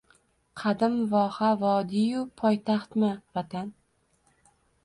Qadim voha, vodiy-u poytaxtmi Vatan?